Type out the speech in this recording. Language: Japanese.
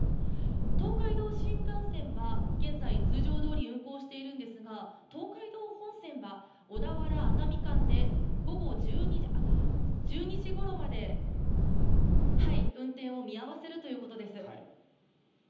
東海道新幹線は現在、通常どおり運行しているんですが東海道本線は小田原熱海間で１２時ごろまで運転を見合わせるということです。